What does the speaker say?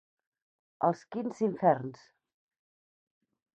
Als quints inferns.